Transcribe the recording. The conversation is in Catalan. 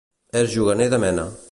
És juganer de mena.